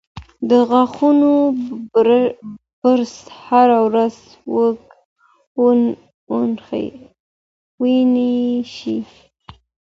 د غاښونو برس هره ورځ وینځئ.